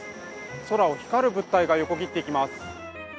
空を光る物体が横切っていきます。